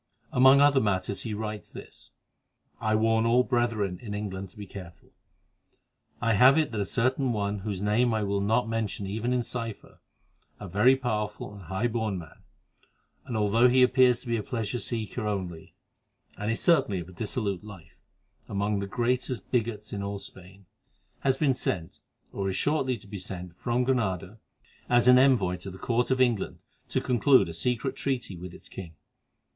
Among other matters he writes this: 'I warn all brethren in England to be careful. I have it that a certain one whose name I will not mention even in cipher, a very powerful and high born man, and, although he appears to be a pleasure seeker only, and is certainly of a dissolute life, among the greatest bigots in all Spain, has been sent, or is shortly to be sent, from Granada, where he is stationed to watch the Moors, as an envoy to the Court of England to conclude a secret treaty with its king.